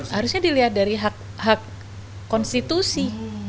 harusnya dilihat dari hak konstitusi